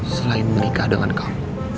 selain menikah dengan kamu